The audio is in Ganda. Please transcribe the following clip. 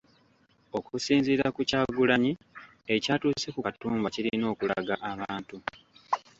Okusinziira ku Kyagulanyi ekyatuuse ku Katumba kirina okulaga abantu .